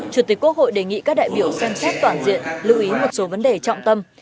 chủ tịch quốc hội đề nghị các đại biểu xem xét toàn diện lưu ý một số vấn đề trọng tâm